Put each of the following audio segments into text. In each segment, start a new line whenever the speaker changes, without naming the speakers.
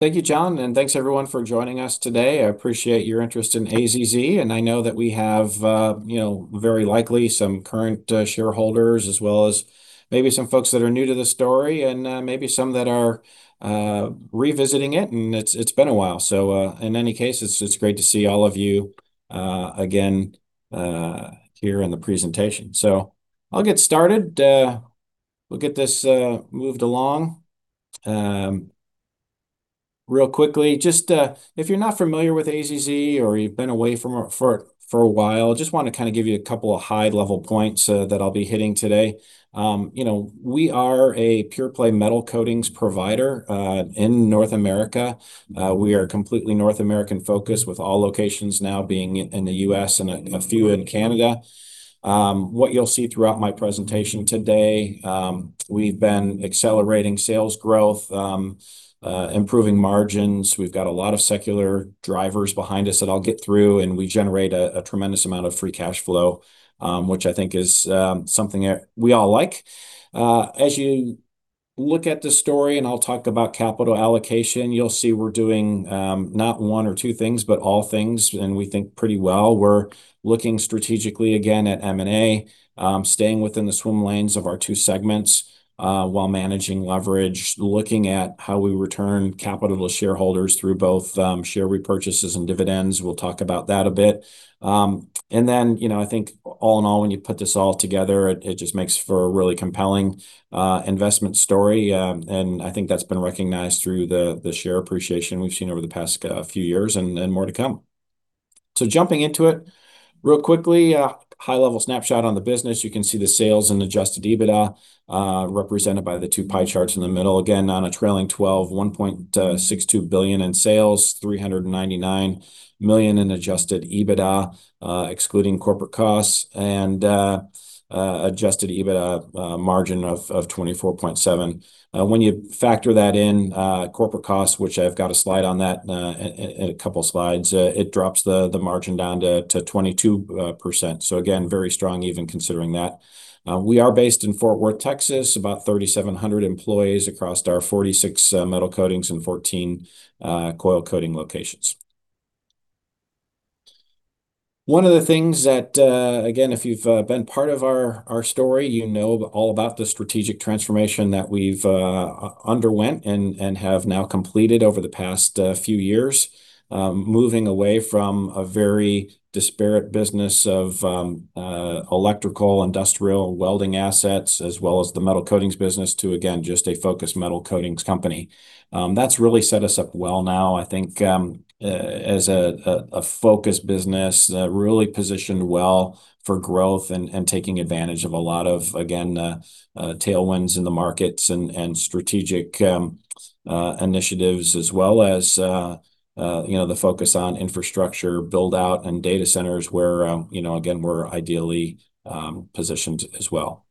Thank you, John, and thanks everyone for joining us today. I appreciate your interest in AZZ, and I know that we have, you know, very likely some current shareholders as well as maybe some folks that are new to the story and, maybe some that are, revisiting it, and it's been a while. In any case, it's great to see all of you, again, here in the presentation. I'll get started. We'll get this moved along real quickly. Just, if you're not familiar with AZZ or you've been away from it for a while, just wanna kinda give you a couple of high-level points, that I'll be hitting today. You know, we are a pure play metal coatings provider in North America. We are completely North American-focused with all locations now being in the U.S. and a few in Canada. What you'll see throughout my presentation today, we've been accelerating sales growth, improving margins. We've got a lot of secular drivers behind us that I'll get through, and we generate a tremendous amount of free cash flow, which I think is something that we all like. As you look at the story, and I'll talk about capital allocation, you'll see we're doing not one or two things, but all things, and we think pretty well. We're looking strategically again at M&A, staying within the swim lanes of our 2 segments, while managing leverage, looking at how we return capital to shareholders through both share repurchases and dividends. We'll talk about that a bit. You know, I think all in all when you put this all together, it just makes for a really compelling investment story, and I think that's been recognized through the share appreciation we've seen over the past few years and more to come. Jumping into it real quickly, a high-level snapshot on the business. You can see the sales and adjusted EBITDA represented by the 2 pie charts in the middle. Again, on a trailing 12, $1.62 billion in sales, $399 million in adjusted EBITDA excluding corporate costs, and adjusted EBITDA margin of 24.7%. When you factor that in, corporate costs, which I've got a slide on that in a couple slides, it drops the margin down to 22%, so again, very strong even considering that. We are based in Fort Worth, Texas, about 3,700 employees across our 46 metal coatings and 14 coil coating locations. One of the things that, again, if you've been part of our story, you know all about the strategic transformation that we've underwent and have now completed over the past few years, moving away from a very disparate business of electrical, industrial welding assets as well as the metal coatings business to, again, just a focused metal coatings company. That's really set us up well now, I think, as a focused business, really positioned well for growth and taking advantage of a lot of, again, tailwinds in the markets and strategic initiatives as well as, you know, the focus on infrastructure build-out and data centers where, you know, again, we're ideally positioned as well.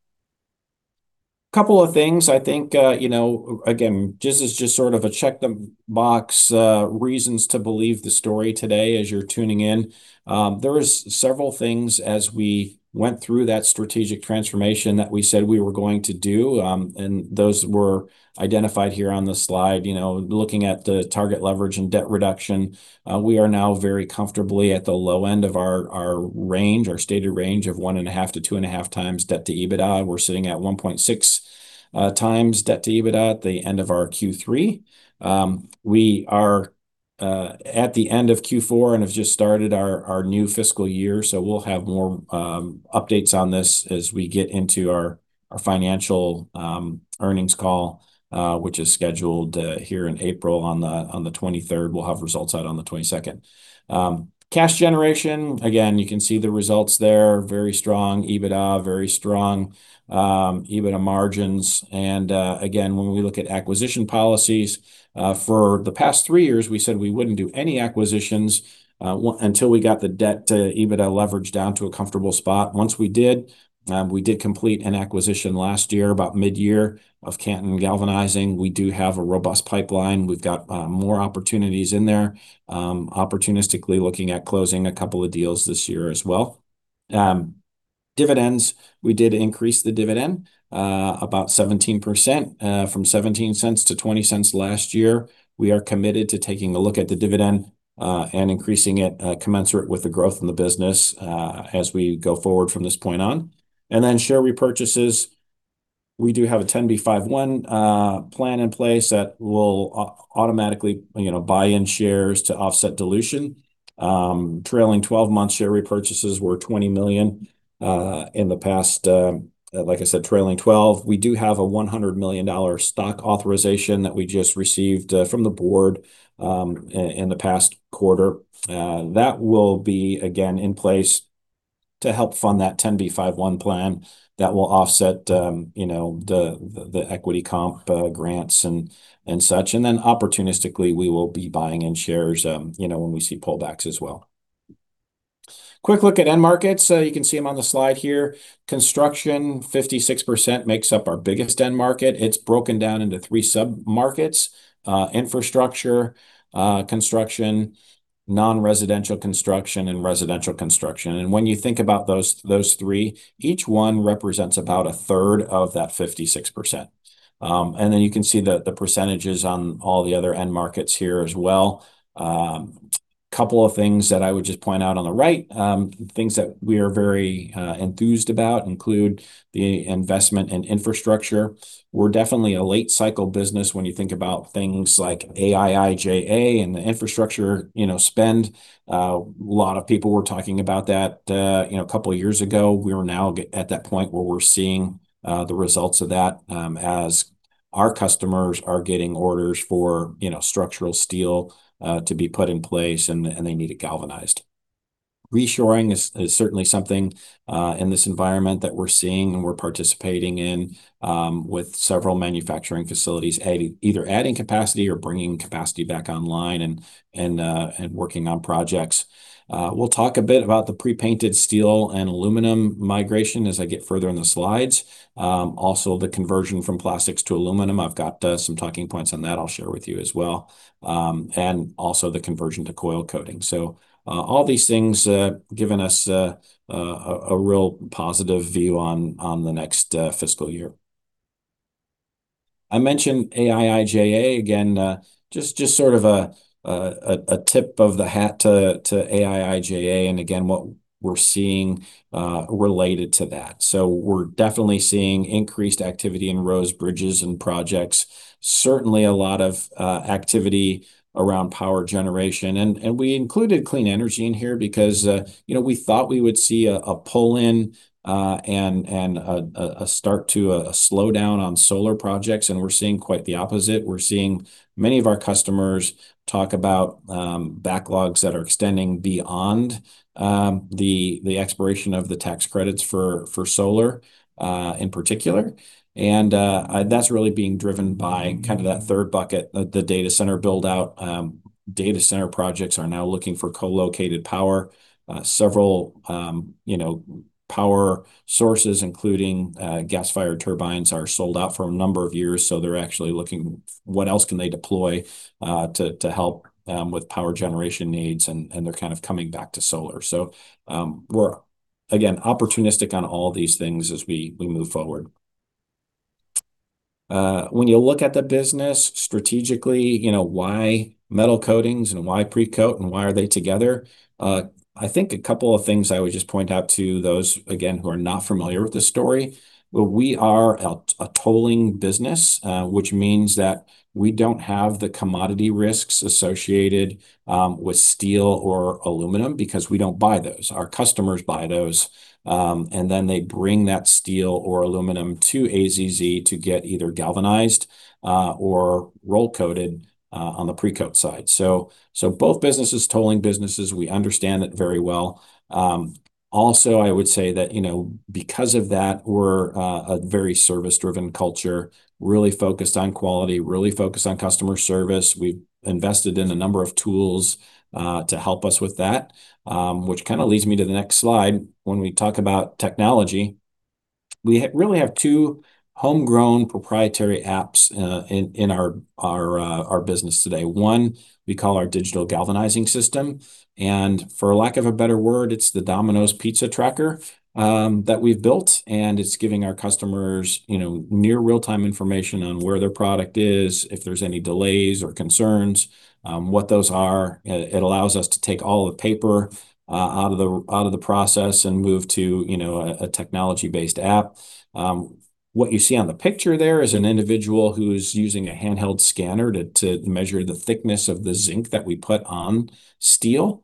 Couple of things. I think, you know, again, this is just sort of a check-the-box reasons to believe the story today as you're tuning in. There is several things as we went through that strategic transformation that we said we were going to do, and those were identified here on the slide. You know, looking at the target leverage and debt reduction, we are now very comfortably at the low end of our range, our stated range of 1.5-2.5 times debt to EBITDA. We're sitting at 1.6 times debt to EBITDA at the end of our Q3. We are at the end of Q4 and have just started our new FY, so we'll have more updates on this as we get into our financial earnings call, which is scheduled here in 23rd of April, we'll have results out on the 22nd. Cash generation, again, you can see the results there, very strong EBITDA, very strong EBITDA margins. Again, when we look at acquisition policies, for the past 3 years we said we wouldn't do any acquisitions, until we got the debt to EBITDA leverage down to a comfortable spot. Once we did, we did complete an acquisition last year about midyear of Canton Galvanizing. We do have a robust pipeline. We've got more opportunities in there, opportunistically looking at closing a couple of deals this year as well. Dividends, we did increase the dividend, about 17%, from $0.17 to $0.20 last year. We are committed to taking a look at the dividend, and increasing it, commensurate with the growth in the business, as we go forward from this point on. Share repurchases, we do have a 10b5-1 plan in place that will automatically, you know, buy in shares to offset dilution. Trailing 12-month share repurchases were $20 million in the past, like I said, trailing 12. We do have a $100 million stock authorization that we just received from the board in the past quarter. That will be, again, in place to help fund that 10b5-1 plan that will offset, you know, the equity comp grants and such. Opportunistically we will be buying in shares, you know, when we see pullbacks as well. Quick look at end markets, you can see 'em on the slide here. Construction, 56% makes up our biggest end market. It's broken down into 3 sub-markets, infrastructure, non-residential construction and residential construction. When you think about those 3, each one represents about a third of that 56%. Then you can see the percentages on all the other end markets here as well. Couple of things that I would just point out on the right, things that we are very enthused about include the investment and infrastructure. We're definitely a late cycle business when you think about things like IIJA and the infrastructure, you know, spend. A lot of people were talking about that, you know, a couple of years ago. We are now at that point where we're seeing the results of that, as our customers are getting orders for, you know, structural steel to be put in place and they need it galvanized. Reshoring is certainly something in this environment that we're seeing and we're participating in with several manufacturing facilities either adding capacity or bringing capacity back online and working on projects. We'll talk a bit about the pre-painted steel and aluminum migration as I get further in the slides. Also the conversion from plastics to aluminum. I've got some talking points on that I'll share with you as well. And also the conversion to coil coating. All these things giving us a real positive view on the next FY. I mentioned IIJA again just sort of a tip of the hat to IIJA and again what we're seeing related to that. We're definitely seeing increased activity in roads, bridges and projects. Certainly a lot of activity around power generation. We included clean energy in here because, you know, we thought we would see a pull in and a start to a slowdown on solar projects, and we're seeing quite the opposite. We're seeing many of our customers talk about backlogs that are extending beyond the expiration of the tax credits for solar in particular. That's really being driven by kind of that third bucket, the data center build-out. Data center projects are now looking for co-located power. Several, you know, power sources, including gas-fired turbines, are sold out for a number of years, so they're actually looking what else can they deploy to help with power generation needs, and they're kind of coming back to solar. We're again opportunistic on all these things as we move forward. When you look at the business strategically, you know, why Metal Coatings and why Precoat and why are they together? I think a couple of things I would just point out to those again who are not familiar with the story. We are a tolling business, which means that we don't have the commodity risks associated with steel or aluminum because we don't buy those. Our customers buy those, and then they bring that steel or aluminum to AZZ to get either galvanized or roll coated on the Precoat side. Both businesses tolling businesses, we understand it very well. Also, I would say that, you know, because of that we're a very service-driven culture, really focused on quality, really focused on customer service. We've invested in a number of tools to help us with that, which kind of leads me to the next slide when we talk about technology. We really have 2 homegrown proprietary apps in our business today. One, we call our Digital Galvanizing System, and for lack of a better word, it's the Domino's Pizza tracker that we've built, and it's giving our customers, you know, near real-time information on where their product is, if there's any delays or concerns, what those are. It allows us to take all the paper out of the process and move to, you know, a technology-based app. What you see on the picture there is an individual who is using a handheld scanner to measure the thickness of the zinc that we put on steel.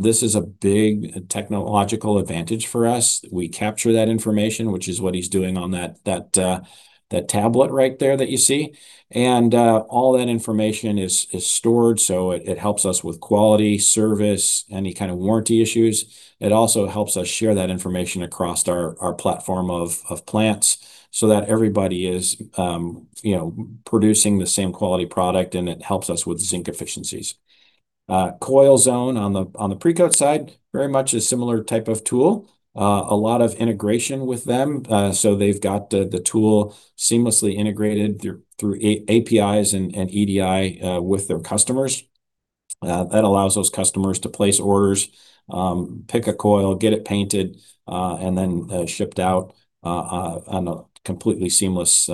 This is a big technological advantage for us. We capture that information, which is what he's doing on that tablet right there that you see. All that information is stored, so it helps us with quality, service, any kind of warranty issues. It also helps us share that information across our platform of plants so that everybody is, you know, producing the same quality product, and it helps us with zinc efficiencies. CoilZone on the Precoat side, very much a similar type of tool. A lot of integration with them. So they've got the tool seamlessly integrated through APIs and EDI with their customers. That allows those customers to place orders, pick a coil, get it painted, and then on a completely seamless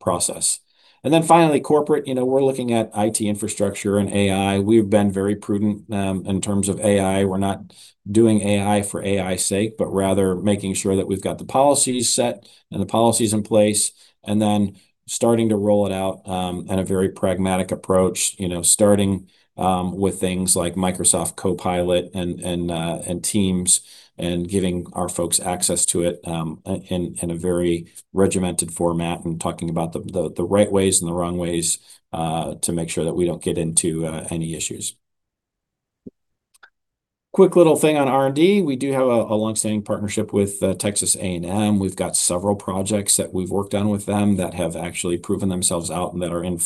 process. Then finally corporate, you know, we're looking at IT infrastructure and AI. We've been very prudent in terms of AI. We're not doing AI for AI's sake, but rather making sure that we've got the policies set and the policies in place, and then starting to roll it out in a very pragmatic approach, you know, starting with things like Microsoft Copilot and Teams and giving our folks access to it in a very regimented format and talking about the right ways and the wrong ways to make sure that we don't get into any issues. Quick little thing on R&D. We have a longstanding partnership with Texas A&M. We've got several projects that we've worked on with them that have actually proven themselves out and that are in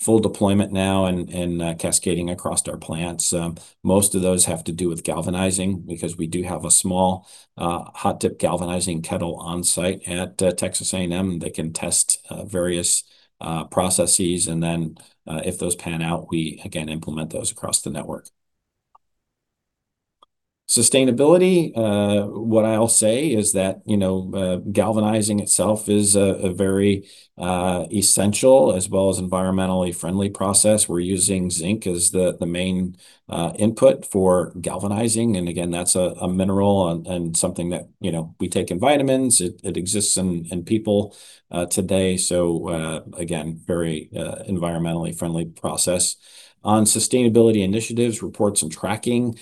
full deployment now and cascading across our plants. Most of those have to do with galvanizing because we do have a small hot-dip galvanizing kettle on site at Texas A&M that can test various processes. Then, if those pan out, we again implement those across the network. Sustainability, what I'll say is that, you know, galvanizing itself is a very essential as well as environmentally friendly process. We're using zinc as the main input for galvanizing, and again, that's a mineral and something that, you know, we take in vitamins. It exists in people today, so again, very environmentally friendly process. On sustainability initiatives, reports, and tracking,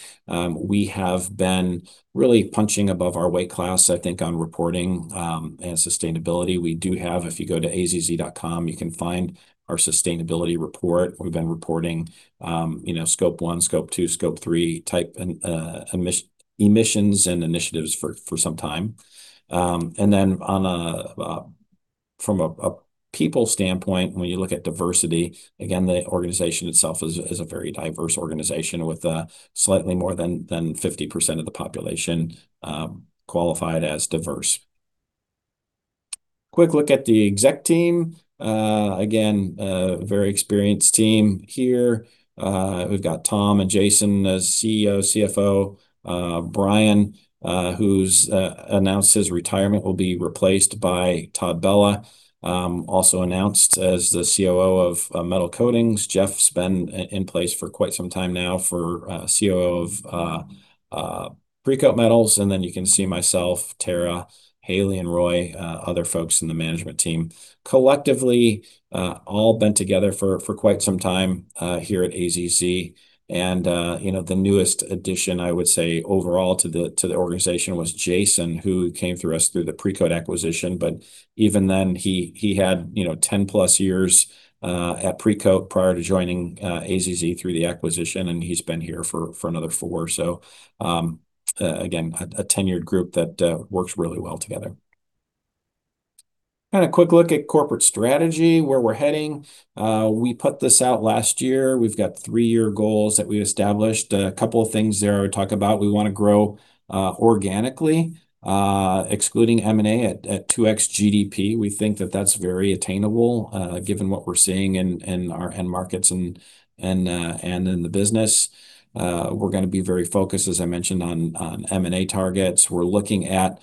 we have been really punching above our weight class, I think, on reporting and sustainability. We do have. If you go to azz.com, you can find our sustainability report. We've been reporting, you know, Scope 1, Scope 2, Scope 3 type emissions and initiatives for some time. From a people standpoint, when you look at diversity, again, the organization itself is a very diverse organization with slightly more than 50% of the population qualified as diverse. Quick look at the exec team. Again, a very experienced team here. We've got Thomas Ferguson and Jason Crawford as CEO, CFO. Brian, who's announced his retirement, will be replaced by Todd Bella, also announced as the COO of Metal Coatings. Jeff's been in place for quite some time now for COO of Precoat Metals. Then you can see myself, Tara, Haley, and Roy, other folks in the management team. Collectively, all been together for quite some time here at AZZ, and you know, the newest addition, I would say overall to the organization was Jason, who came to us through the Precoat acquisition. Even then, he had you know, 10+ years at Precoat prior to joining AZZ through the acquisition, and he's been here for another 4. Again, a tenured group that works really well together. A quick look at corporate strategy, where we're heading. We put this out last year. We've got 3-year goals that we established. A couple of things there I talk about, we wanna grow organically, excluding M&A at 2x GDP. We think that that's very attainable, given what we're seeing in our end markets and in the business. We're gonna be very focused, as I mentioned, on M&A targets. We're looking at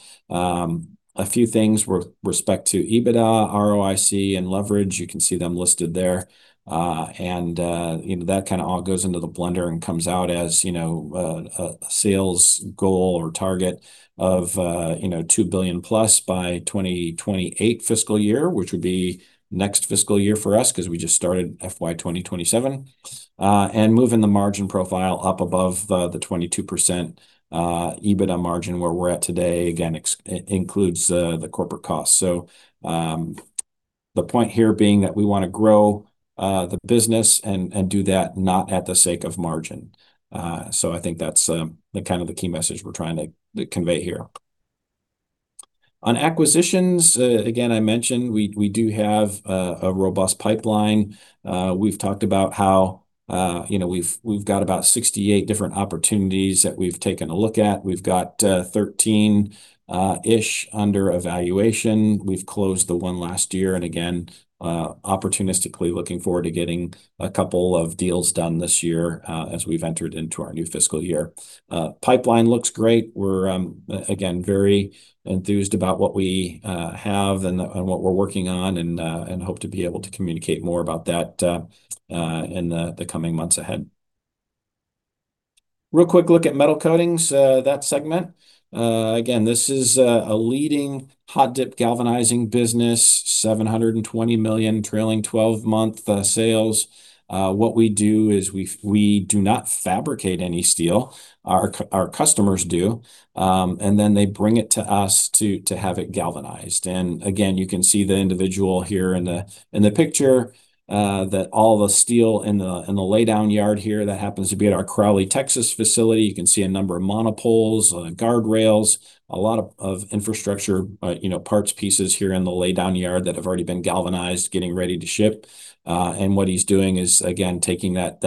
a few things with respect to EBITDA, ROIC, and leverage. You can see them listed there, and you know, that kinda all goes into the blender and comes out as, you know, a sales goal or target of, you know, $2 billion+ by FY 2028, which would be next FY for us 'cause we just started FY 2027. Moving the margin profile up above the 22% EBITDA margin, where we're at today, again, excludes the corporate costs. The point here being that we wanna grow the business and do that not at the sake of margin. I think that's the kind of the key message we're trying to convey here. On acquisitions, again, I mentioned we do have a robust pipeline. We've talked about how, you know, we've got about 68 different opportunities that we've taken a look at. We've got 13-ish under evaluation. We've closed the one last year, and again, opportunistically looking forward to getting a couple of deals done this year, as we've entered into our new FY. Pipeline looks great. We're again very enthused about what we have and what we're working on and hope to be able to communicate more about that in the coming months ahead. Real quick look at metal coatings that segment. Again, this is a leading hot-dip galvanizing business, $720 million trailing 12-month sales. What we do is we do not fabricate any steel. Our customers do, and then they bring it to us to have it galvanized. Again, you can see the individual here in the picture that all the steel in the lay-down yard here, that happens to be at our Crowley, Texas facility. You can see a number of monopoles, guardrails, a lot of infrastructure, you know, parts, pieces here in the lay-down yard that have already been galvanized, getting ready to ship. And what he's doing is, again, taking that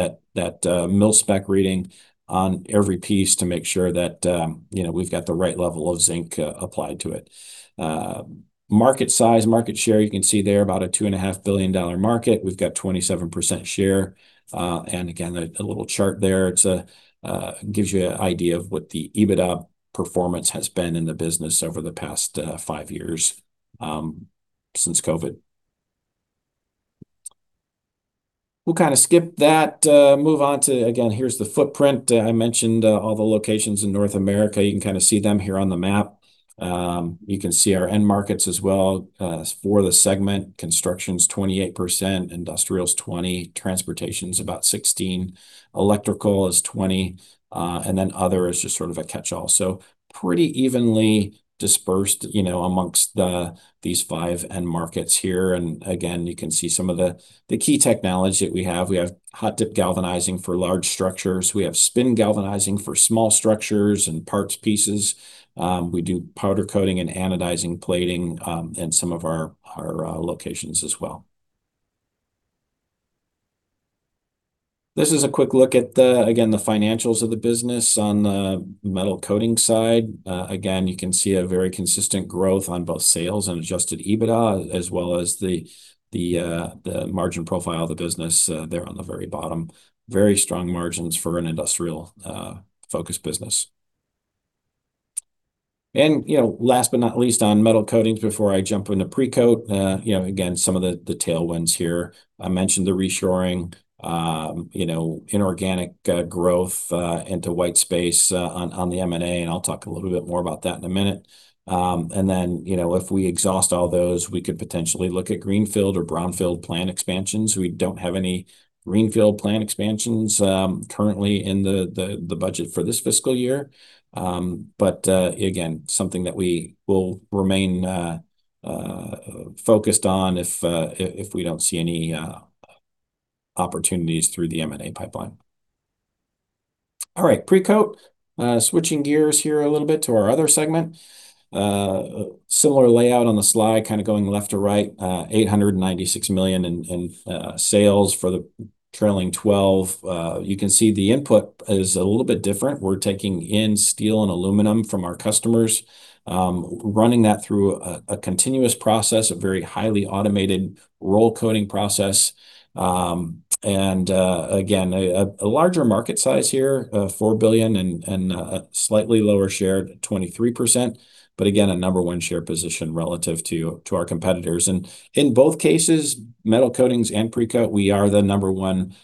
mil-spec reading on every piece to make sure that, you know, we've got the right level of zinc applied to it. Market size, market share, you can see there, about a $2.5 billion market. We've got 27% share, and again, a little chart there that gives you an idea of what the EBITDA performance has been in the business over the past 5 years, since COVID. We'll kinda skip that, move on to. Again, here's the footprint. I mentioned all the locations in North America. You can kinda see them here on the map. You can see our end markets as well for the segment. Construction's 28%, industrial's 20%, transportation's about 16%, electrical is 20%, and then other is just sort of a catch-all. Pretty evenly dispersed, you know, amongst these 5 end markets here. Again, you can see some of the key technology that we have. We have hot-dip galvanizing for large structures. We have spin galvanizing for small structures and parts, pieces. We do powder coating and anodizing plating in some of our locations as well. This is a quick look at the financials of the business on the metal coatings side. Again, you can see a very consistent growth on both sales and adjusted EBITDA as well as the margin profile of the business there on the very bottom. Very strong margins for an industrial focused business. You know, last but not least on metal coatings before I jump into Precoat, you know, again, some of the tailwinds here. I mentioned the reshoring, you know, inorganic growth into white space on the M&A, and I'll talk a little bit more about that in a minute. You know, if we exhaust all those, we could potentially look at greenfield or brownfield plant expansions. We don't have any greenfield plant expansions currently in the budget for this FY. Again, something that we will remain focused on if we don't see any opportunities through the M&A pipeline. All right, Precoat. Switching gears here a little bit to our other segment. Similar layout on the slide, kinda going left to right. $896 million in sales for the trailing twelve. You can see the input is a little bit different. We're taking in steel and aluminum from our customers, running that through a continuous process, a very highly automated roll coating process. Again, a larger market size here, $4 billion and slightly lower share at 23%. Again, a number one share position relative to our competitors. In both cases, metal coatings and Precoat, we are the number one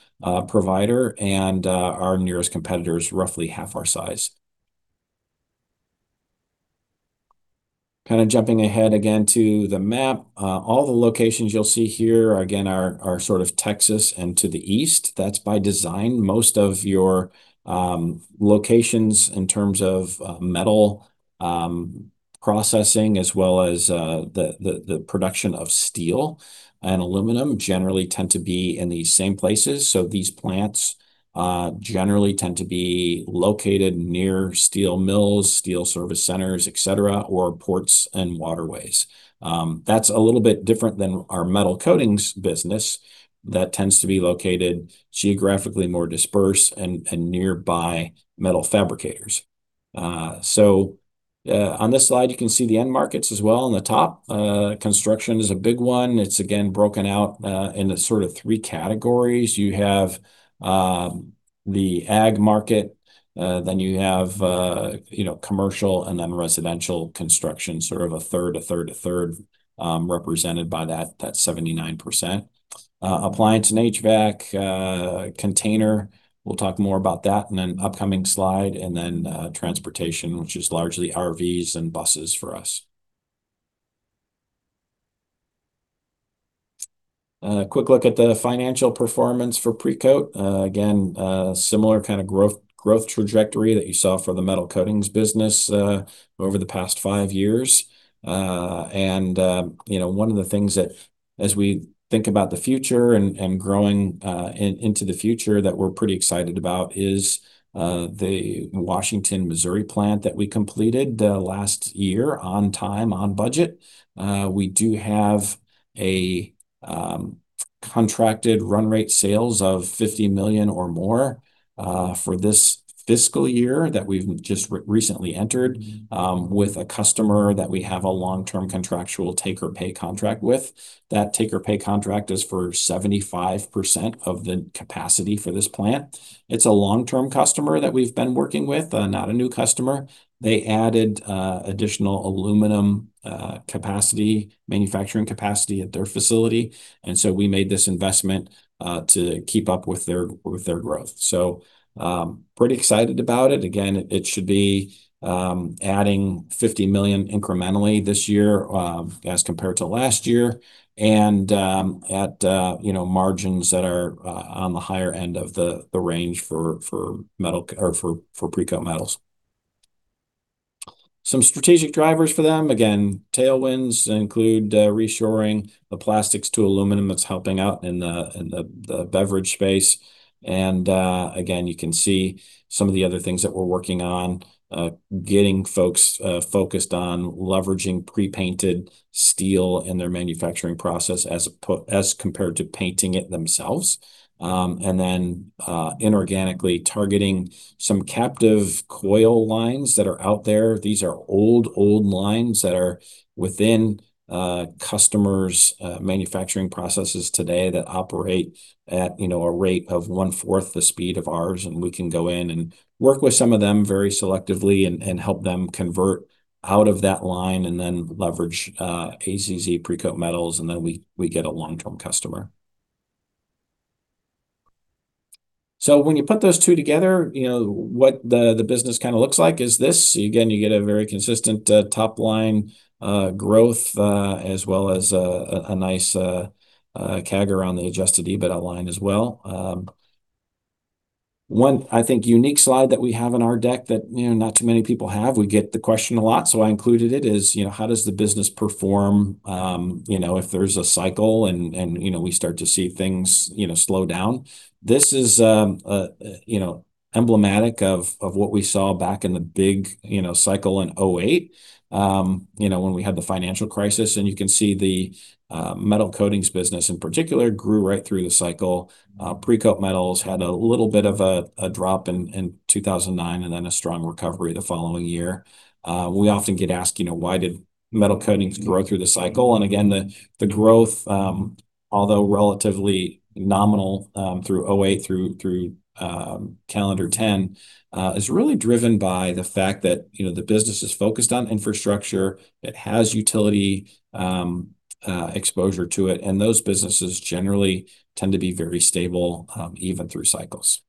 provider, and our nearest competitor's roughly half our size. Kinda jumping ahead again to the map. All the locations you'll see here, again, are sort of Texas and to the east. That's by design. Most of your locations in terms of metal processing as well as the production of steel and aluminum generally tend to be in these same places. These plants generally tend to be located near steel mills, steel service centers, et cetera, or ports and waterways. That's a little bit different than our metal coatings business. That tends to be located geographically more dispersed and nearby metal fabricators. On this slide, you can see the end markets as well on the top. Construction is a big one. It's again broken out into sort of 3 categories. You have the ag market, then you have commercial, and then residential construction, sort of a third represented by that 79%. Appliance and HVAC, container, we'll talk more about that in an upcoming slide. Transportation, which is largely RVs and buses for us. A quick look at the financial performance for Precoat. Again, a similar kinda growth trajectory that you saw for the metal coatings business over the past 5 years. You know, one of the things that as we think about the future and growing into the future that we're pretty excited about is the Washington, Missouri plant that we completed last year on time, on budget. We do have a contracted run rate sales of $50 million or more for this FY that we've just recently entered with a customer that we have a long-term contractual take-or-pay contract with. That take-or-pay contract is for 75% of the capacity for this plant. It's a long-term customer that we've been working with, not a new customer. They added additional aluminum capacity, manufacturing capacity at their facility, and we made this investment to keep up with their growth. Pretty excited about it. Again, it should be adding $50 million incrementally this year, as compared to last year, and you know, margins that are on the higher end of the range for metal or for Precoat Metals. Some strategic drivers for them. Again, tailwinds include reshoring the plastics to aluminum. That's helping out in the beverage space. Again, you can see some of the other things that we're working on, getting folks focused on leveraging pre-painted steel in their manufacturing process as compared to painting it themselves. Inorganically targeting some captive coil lines that are out there. These are old lines that are within customers' manufacturing processes today that operate at, you know, a rate of 1/4 the speed of ours, and we can go in and work with some of them very selectively and help them convert out of that line, and then leverage AZZ Precoat Metals, and then we get a long-term customer. When you put those two together, you know, what the business kinda looks like is this. Again, you get a very consistent top-line growth as well as a nice CAGR around the adjusted EBITDA line as well. One unique slide that we have in our deck that, you know, not too many people have, we get the question a lot, so I included it, is, you know, how does the business perform, you know, if there's a cycle and, you know, we start to see things, you know, slow down? This is, you know, emblematic of what we saw back in the big, you know, cycle in 2008, you know, when we had the financial crisis. You can see the metal coatings business in particular grew right through the cycle. Precoat Metals had a little bit of a drop in 2009 and then a strong recovery the following year. We often get asked, you know, why did Metal Coatings grow through the cycle, and again, the growth, although relatively nominal, through 2008 through calendar 2010, is really driven by the fact that, you know, the business is focused on infrastructure, it has utility exposure to it, and those businesses generally tend to be very stable, even through cycles.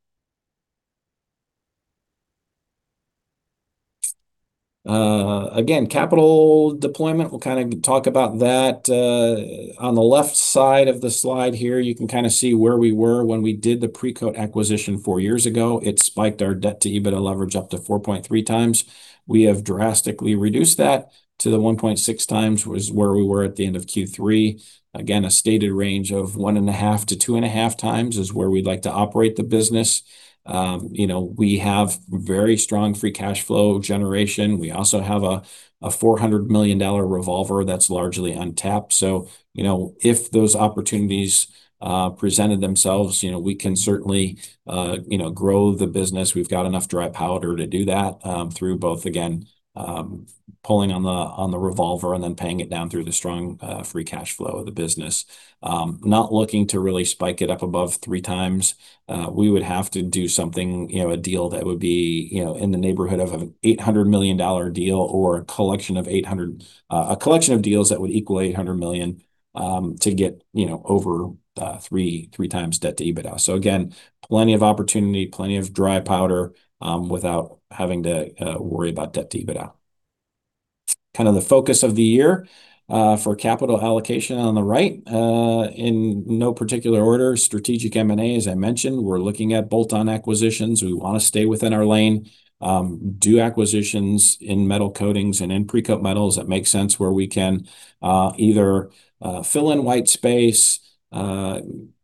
Again, capital deployment, we'll kinda talk about that. On the left side of the slide here, you can kinda see where we were when we did the Precoat acquisition 4 years ago. It spiked our debt-to-EBITDA leverage up to 4.3 times. We have drastically reduced that to the 1.6 times was where we were at the end of Q3. Again, a stated range of 1.5-2.5 times is where we'd like to operate the business. You know, we have very strong free cash flow generation. We also have a $400 million revolver that's largely untapped, so you know, if those opportunities presented themselves, you know, we can certainly grow the business. We've got enough dry powder to do that through both, again, pulling on the revolver and then paying it down through the strong free cash flow of the business. Not looking to really spike it up above 3 times. We would have to do something, you know, a deal that would be, you know, in the neighborhood of an $800 million deal or a collection of 800. A collection of deals that would equal $800 million to get, you know, over 3x debt-to-EBITDA. Again, plenty of opportunity, plenty of dry powder without having to worry about debt-to-EBITDA. Kind of the focus of the year for capital allocation on the right, in no particular order, strategic M&A, as I mentioned. We're looking at bolt-on acquisitions. We wanna stay within our lane, do acquisitions in metal coatings and in Precoat Metals, that makes sense, where we can either fill in white space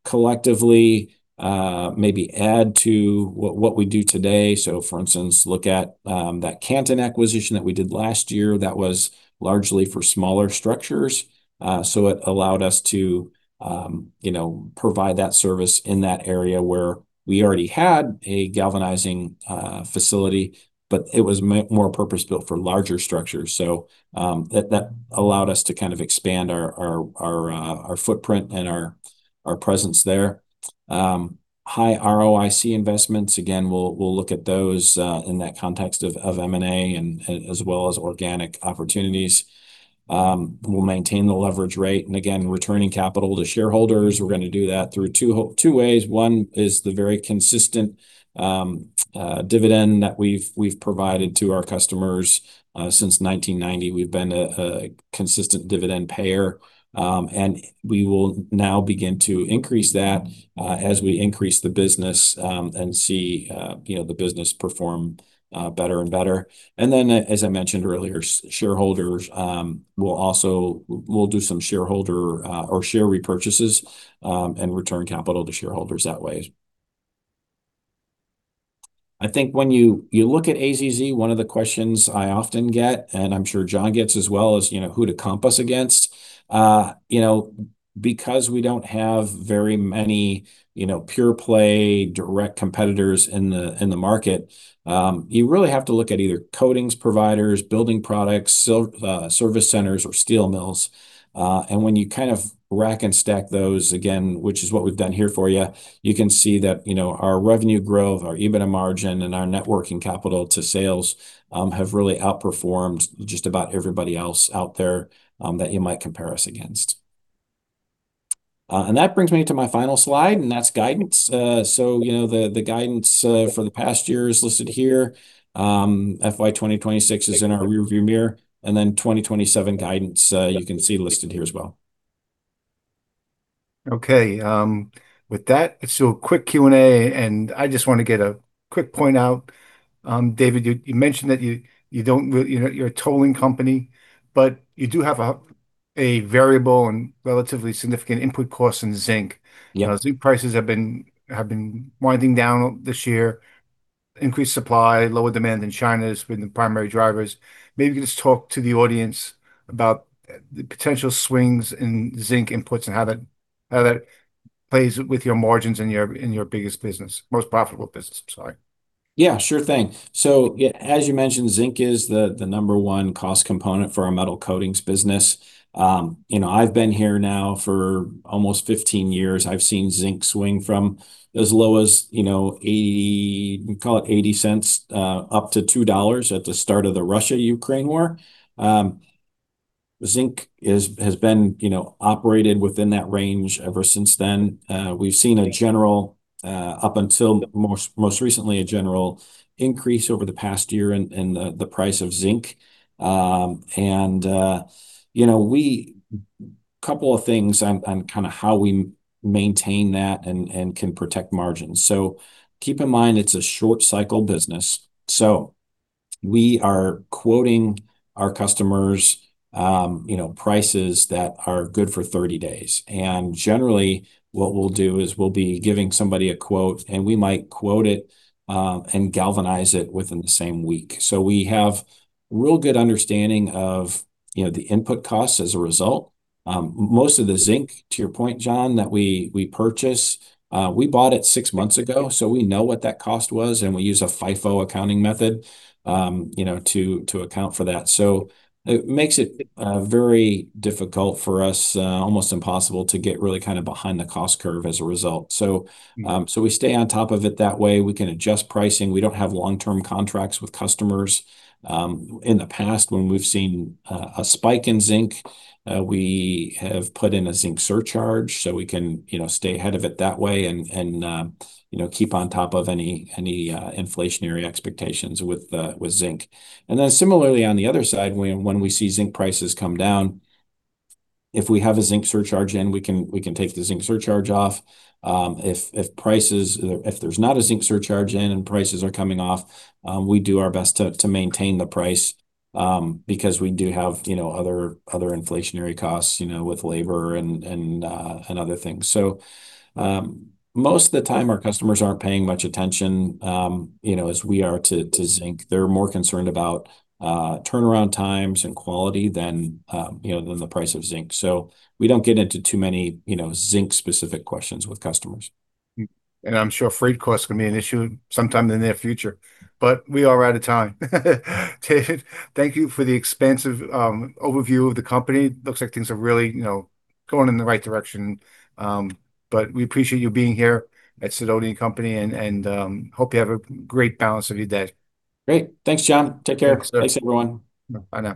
collectively, maybe add to what we do today. For instance, look at that Canton acquisition that we did last year, that was largely for smaller structures. It allowed us to, you know, provide that service in that area where we already had a galvanizing facility, but it was more purpose-built for larger structures. That allowed us to kind of expand our footprint and our presence there. High ROIC investments, again, we'll look at those in that context of M&A and as well as organic opportunities. We'll maintain the leverage rate, and again, returning capital to shareholders. We're gonna do that through 2 ways. One is the very consistent dividend that we've provided to our customers. Since 1990 we've been a consistent dividend payer. We will now begin to increase that as we increase the business and see you know the business perform better and better. Then as I mentioned earlier, shareholders, we'll do some share repurchases and return capital to shareholders that way. I think when you look at AZZ, one of the questions I often get, and I'm sure John gets as well, is you know who to comp us against. You know because we don't have very many you know pure play direct competitors in the market you really have to look at either coatings providers, building products, service centers or steel mills. When you kind of rack and stack those, again which is what we've done here for you can see that, you know, our revenue growth, our EBITDA margin, and our net working capital to sales, have really outperformed just about everybody else out there, that you might compare us against. That brings me to my final slide, and that's guidance. You know, the guidance for the past year is listed here. FY 2026 is in our rearview mirror, and then FY 2027 guidance, you can see listed here as well.
Okay, with that, let's do a quick Q&A, and I just wanna get a quick point out. David, you mentioned that you don't, you're a tolling company, but you do have a variable and relatively significant input cost in zinc.
Yeah.
You know, zinc prices have been winding down this year. Increased supply, lower demand in China has been the primary drivers. Maybe just talk to the audience about the potential swings in zinc inputs and how that plays with your margins in your biggest business. Most profitable business, I'm sorry.
Yeah, sure thing. As you mentioned, zinc is the number one cost component for our metal coatings business. You know, I've been here now for almost 15 years. I've seen zinc swing from as low as you know $0.80 up to $2 at the start of the Russo-Ukrainian War. Zinc has been you know operated within that range ever since then. We've seen a general up until most recently a general increase over the past year in the price of zinc. Couple of things on kinda how we maintain that and can protect margins. Keep in mind it's a short cycle business, so we are quoting our customers prices that are good for 30 days. Generally, what we'll do is we'll be giving somebody a quote, and we might quote it, and galvanize it within the same week. We have real good understanding of, you know, the input costs as a result. Most of the zinc, to your point, John, that we purchase, we bought it 6 months ago, so we know what that cost was, and we use a FIFO accounting method, you know, to account for that. It makes it very difficult for us, almost impossible to get really kind of behind the cost curve as a result. We stay on top of it, that way we can adjust pricing. We don't have long-term contracts with customers. In the past when we've seen a spike in zinc, we have put in a zinc surcharge so we can, you know, stay ahead of it that way and keep on top of any inflationary expectations with zinc. Then similarly on the other side when we see zinc prices come down, if we have a zinc surcharge in, we can take the zinc surcharge off. If there's not a zinc surcharge in and prices are coming off, we do our best to maintain the price because we do have, you know, other inflationary costs, you know, with labor and other things. Most of the time our customers aren't paying much attention, you know, as we are to zinc. They're more concerned about turnaround times and quality than, you know, the price of zinc. We don't get into too many, you know, zinc specific questions with customers.
I'm sure freight costs can be an issue sometime in the near future, but we are out of time. David, thank you for the expansive overview of the company. Looks like things are really, you know, going in the right direction. We appreciate you being here at Sidoti & Company and hope you have a great balance of your day.
Great. Thanks, John. Take care.
Thanks, sir.
Thanks, everyone.
Bye now.